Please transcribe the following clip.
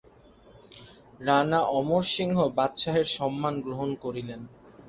রানা অমরসিংহ বাদশাহের সম্মান গ্রহণ করিলেন।